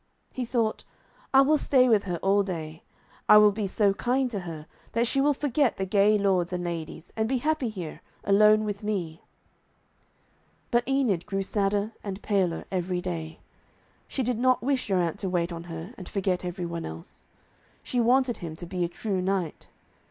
He thought, 'I will stay with her all day. I will be so kind to her that she will forget the gay lords and ladies, and be happy here, alone with me.' But Enid grew sadder and paler every day. She did not wish Geraint to wait on her and forget every one else. She wanted him to be a true knight.